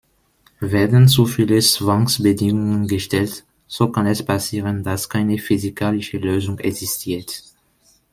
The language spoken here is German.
Werden zu viele Zwangsbedingungen gestellt, so kann es passieren, dass keine physikalische Lösung existiert.